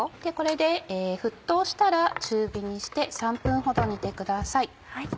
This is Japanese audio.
これで沸騰したら中火にして３分ほど煮てください。